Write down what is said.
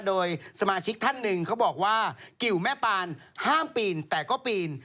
โดยสมาชิกท่านหนึ่งเขาบอกว่ากิวแม่ปานห้ามปีนแต่ก็ปีน